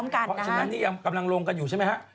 เพราะฉะนั้นนี่ยังกำลังลงกันอยู่ใช่ไหมฮะ